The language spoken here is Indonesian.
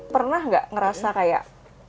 pernah gak ngerasa kayak